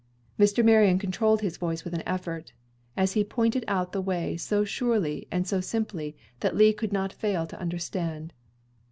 Mr. Marion controlled his voice with an effort, as he pointed out the way so surely and so simply that Lee could not fail to understand.